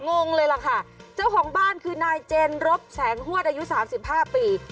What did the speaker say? งงเลยล่ะค่ะเจ้าของบ้านคือนายเจนรบแสงฮวดอายุสามสิบห้าปี